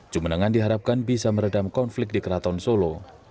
cumenengan diharapkan bisa meredam konflik di keraton solo